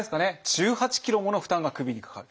１８ｋｇもの負担が首にかかる。